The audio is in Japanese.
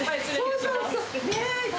そうそうそう！